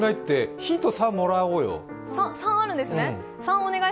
ヒント３、もらおうよ。